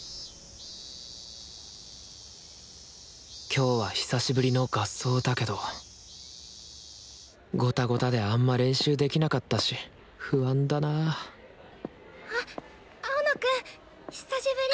今日は久しぶりの合奏だけどゴタゴタであんま練習できなかったし不安だなあっ青野くん久しぶり。